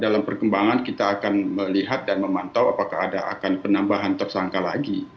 dalam perkembangan kita akan melihat dan memantau apakah ada akan penambahan tersangka lagi